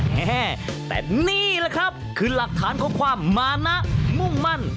แม่แต่นี่แหละครับคือหลักฐานของความมานะมุ่งมั่น